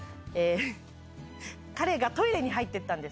彼がトイレに入ってったんで